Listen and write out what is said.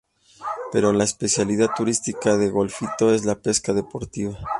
Pero la especialidad turística de Golfito es la pesca deportiva..